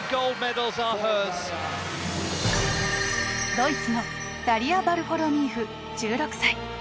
ドイツのダリア・ヴァルフォロミーフ１６歳。